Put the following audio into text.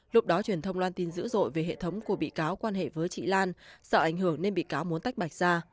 lúc đó truyền thông loan tin dữ dội về hệ thống của bị cáo quan hệ với chị lan sợ ảnh hưởng nên bị cáo muốn tách bạch ra